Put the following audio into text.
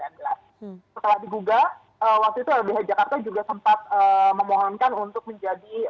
waktu itu lbh jakarta juga sempat memohonkan untuk menjadi